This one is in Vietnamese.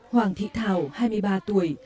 hoàng thị thảo hai mươi ba tuổi